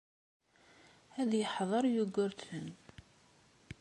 Ad yeḥdeṛ Yugurten.